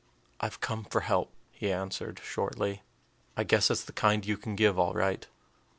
"I've come for help," he answered, shortly. "I guess it's the kind you can give, all right."